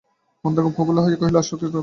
মাতঙ্গ প্রফুল্ল হইয়া কহিল, আসল কথা কী জান?